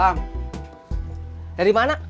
buktin kayaknya memang terbalik